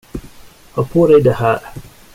Ha på dig det här.